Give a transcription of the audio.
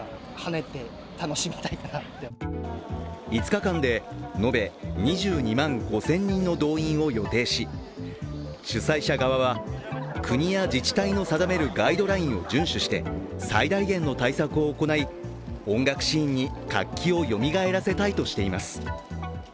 ５日間で延べ２２万５０００人の動員を予定し主催者側は、国や自治体の定めるガイドラインを遵守して最大限の対策を行い音楽シーンに活気をよみがえらせたいとしています。